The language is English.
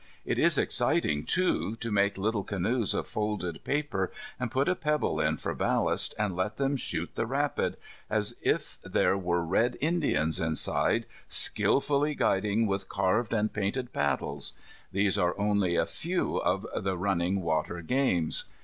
It is exciting, too, to make little canoes of folded paper, and put a pebble in for ballast, and let them shoot the rapid, as if there were Red Indians inside, skilfully guiding with carved and painted paddles. These are only a few of the running water games.